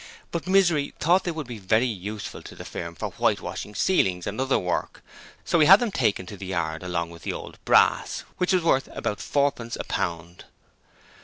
But Misery thought they would be very useful to the firm for whitewashing ceilings and other work, so he had them taken to the yard along with the old brass, which was worth about fourpence a pound.